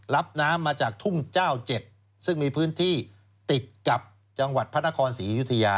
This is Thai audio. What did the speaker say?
รับน้ำมาจากทุ่งเจ้า๗ซึ่งมีพื้นที่ติดกับจังหวัดพระนครศรีอยุธยา